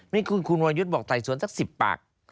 นี่คุณวรยุทธ์บอกไต่สวนสัก๑๐ปาก